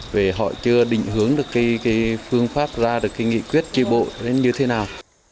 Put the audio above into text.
về họ chưa định hướng được cái phương pháp ra được cái nghị quyết tri bộ như thế nào